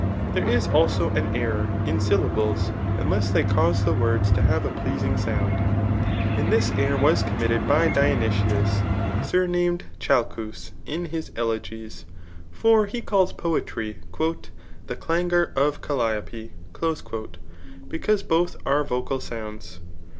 There is also an enroi" in syllables^ unless diey '<:ause the words to have a pleasmg sounds And thl^ ^error was committed by Dionysius, sumamed Chalfcou^ m his elegies. For he calls poetry " The clangor <k Calliope/' because both are vocal sounds.